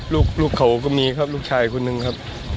ลูกเขาก็มีครับลูกชายคนหนึ่งครับ